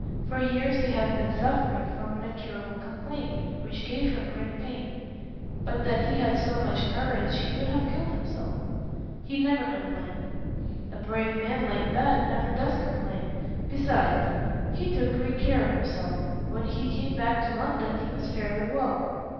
For years he has been suffering from an incurable complaint which gave him great pain. But that he had so much courage, he would have killed himself." "He never complained." "A brave man like that never does complain. Besides, he took great care of himself. When he came back to London he was fairly well.